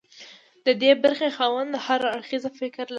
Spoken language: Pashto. د ډي برخې خاوند هر اړخیز فکر لري.